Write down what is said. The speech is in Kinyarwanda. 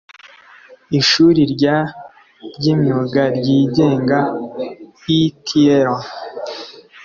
Ishuri rya ry Imyuga Ryigenga E T L